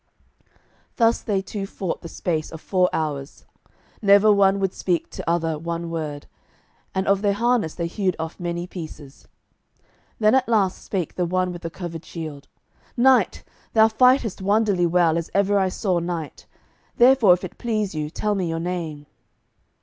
Thus they two fought the space of four hours. Never one would speak to other one word, and of their harness they hewed off many pieces. Then at the last spake the one with the covered shield; "Knight, thou fightest wonderly well as ever I saw knight; therefore if it please you tell me your name."